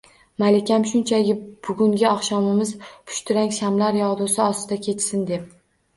Malikam, shunchaki bugungi oqshomimiz pushtirang shamlar yog`dusi ostida kechsin deb